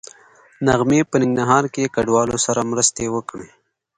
نغمې په ننګرهار کې کډوالو سره مرستې وکړې